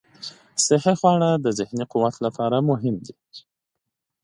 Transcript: صحي خواړه د ذهني قوت لپاره مهم دي.